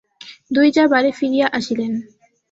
দুই জা বাড়ি ফিরিয়া আসিলেন।